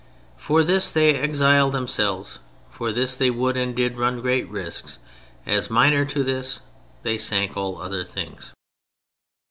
For this they exiled themselves; for this they would and did run great risks; as minor to this they sank all other things.